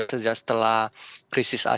sejak setelah krisis asal